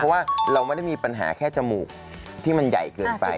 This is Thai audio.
เพราะว่าเราไม่ได้มีปัญหาแค่จมูกที่มันใหญ่เกินไป